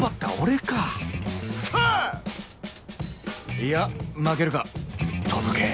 いや負けるか届け